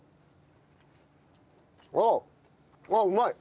おおあっうまい。